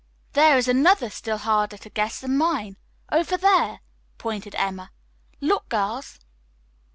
"There is another still harder to guess than mine. Over there," pointed Emma. "Look, girls!"